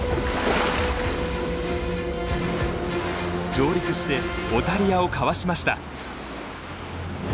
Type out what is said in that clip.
上陸してオタリアをかわしました。